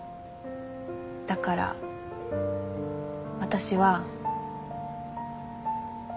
だから私は。